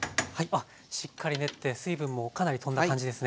しっかり練って水分もかなりとんだ感じですね。